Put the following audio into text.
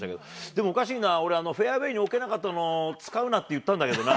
でもおかしいな、俺、フェアウエーに置けなかったの、使うなって言ったんだけどな。